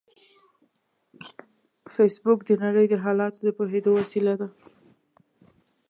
فېسبوک د نړۍ د حالاتو د پوهېدو وسیله ده